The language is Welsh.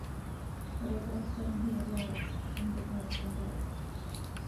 Yr oedd yr amser yn hir i aros am ryddhad fy mrawd.